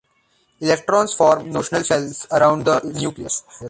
Electrons form notional shells around the nucleus.